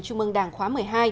trung mương đảng làm việc tại tổ